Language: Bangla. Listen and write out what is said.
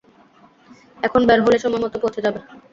এখন বের হলে সময়মতো পৌঁছে যাবে।